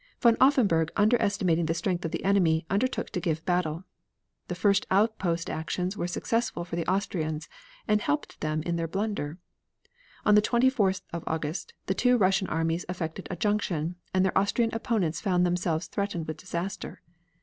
Von Offenberg, underestimating the strength of the enemy, undertook to give battle. The first outpost actions were successful for the Austrians, and helped them in their blunder. On the 24th of August the two Russian armies effected a junction, and their Austrian opponents found themselves threatened with disaster.